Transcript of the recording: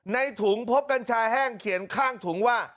ในถุงพบกัญชาแห้งเขียนข้างถุงว่า